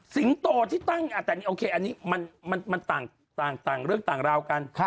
โตที่ตั้งแต่นี้โอเคอันนี้มันต่างเรื่องต่างราวกัน